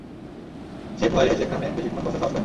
সে ভয়ে সেখানে বেশিক্ষণ বসার সাহস পায় না।